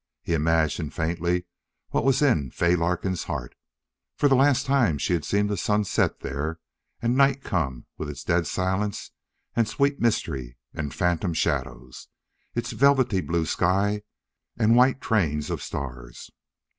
He imagined faintly what was in Fay Larkin's heart. For the last time she had seen the sun set there and night come with its dead silence and sweet mystery and phantom shadows, its velvet blue sky and white trains of stars.